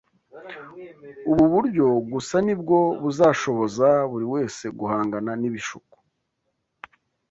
Ubu buryo gusa ni bwo buzashoboza buri wese guhangana n’ibishuko